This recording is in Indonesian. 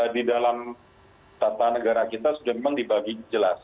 di dalam tata negara kita sudah memang dibagi jelas